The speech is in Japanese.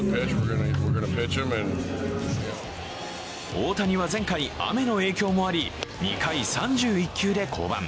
大谷は前回、雨の影響もあり２回、３１球で降板。